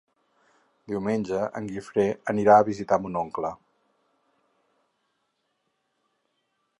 Diumenge en Guifré anirà a visitar mon oncle.